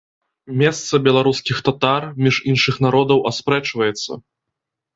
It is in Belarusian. Месца беларускіх татар між іншых народаў аспрэчваецца.